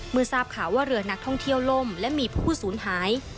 เมื่อทราบข่าวว่าเรือนักท่องเที่ยวล่มและมีผู้สูญหาย